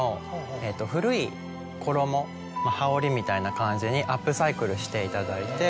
羽織みたいな感じにアップサイクルしていただいて。